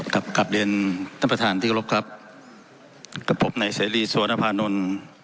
กรับการเรียนท่านประธานที่ครบครับกระปบในสวนภาพนนท์